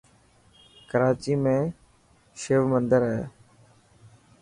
ڪراچي ۾ شو مندر هي.